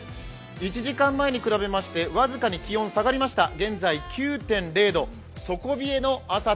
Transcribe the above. １時間前に比べまして僅かに気温、下がりました、９．０度。